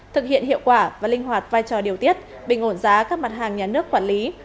thực hiện hiệu quả và linh hoạt vai trò điều tiết bình ổn giá các mặt hàng nhà nước quản lý